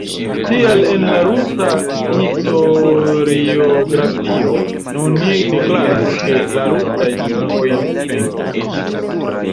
Tial en la rusa historiografio oni deklaras, ke la rusaj trupoj "venkis".